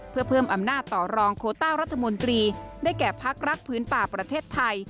เพื่อเพิ่มอำนาจต่อรองโคต้ารัฐมนตรีได้แก่พักรักพื้นป่าประเทศไทย